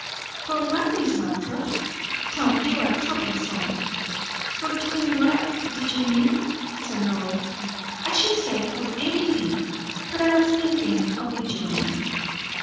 "For what, Miss Lothrop? Tom, you are troublesome." "For doing what, do you mean?" said Lois. "I should say, for anything; but I was thinking of enjoying."